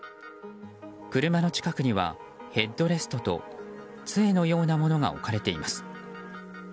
車の近くにはヘッドレストと杖のようなものが置かれています。